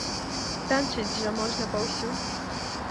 Танчыць жа можна паўсюль.